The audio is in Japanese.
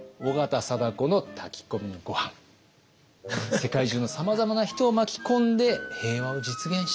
世界中のさまざまな人を巻き込んで平和を実現したい。